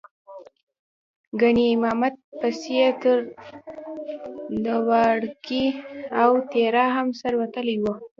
ګنې امامت پسې یې تر لواړګي او تیرا هم سر وتلی و.